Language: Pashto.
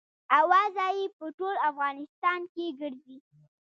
اوازه یې په ټول افغانستان کې ګرزي.